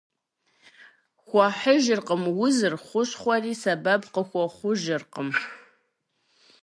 Хуэхьыжыркъым узыр, хущхъуэхэри сэбэп къыхуэхъужыркъым.